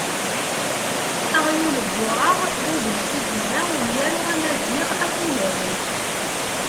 "Aɣyul n wuṛeɣ" d adlis i yura umyaru amaziɣ Afulay.